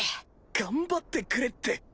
頑張ってくれって。